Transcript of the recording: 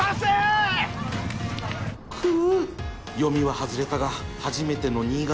くう読みは外れたが初めての新潟